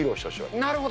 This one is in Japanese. なるほど。